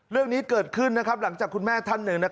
เรื่องนี้เกิดขึ้นหลังจากคุณแม่ท่านหนึ่ง